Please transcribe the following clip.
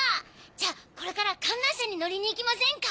じゃあこれから観覧車に乗りに行きませんか？